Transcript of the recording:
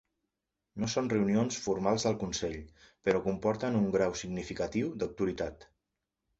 No són reunions formals del consell, però comporten un grau significatiu d'autoritat.